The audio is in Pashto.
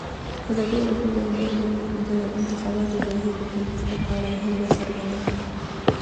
ازادي راډیو د د انتخاباتو بهیر د پرمختګ په اړه هیله څرګنده کړې.